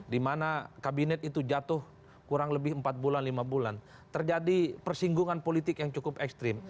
dimana kabinet itu jatuh kurang lebih empat bulan lima bulan terjadi persinggungan politik yang cukup ekstrim